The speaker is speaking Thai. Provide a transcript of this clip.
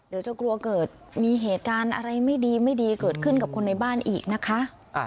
เดี๋ยวจะกลัวเกิดมีเหตุการณ์อะไรไม่ดีไม่ดีเกิดขึ้นกับคนในบ้านอีกนะคะ